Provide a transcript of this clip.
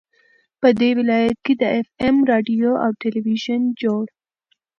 په دې ولايت كې د اېف اېم راډيو او ټېلوېزون جوړ